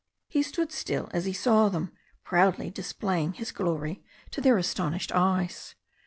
He stood still as he saw them, proudly displaying his glory to their astonished eyes.